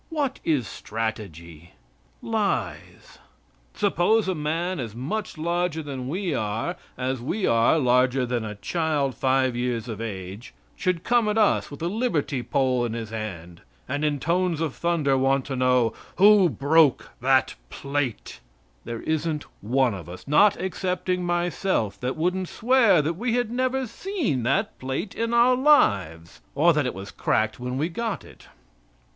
What is strategy? Lies. Suppose a man as much larger than we are as we are larger than a child five years of age, should come at us with a liberty pole in his hand, and in tones of thunder want to know "who broke that plate," there isn't one of us, not excepting myself, that wouldn't swear that we never had seen that plate in our lives, or that it was cracked when we got it.